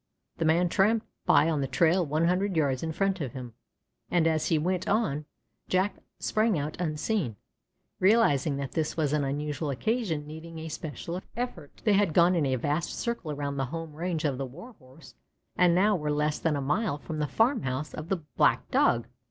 The man tramped by on the trail one hundred yards in front of him, and as he went on, Jack sprang out unseen, realizing that this was an unusual occasion needing a special effort. They had gone in a vast circle around the home range of the Warhorse and now were less than a mile from the farm house of the black Dog.